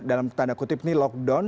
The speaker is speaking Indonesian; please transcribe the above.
dalam tanda kutip ini lockdown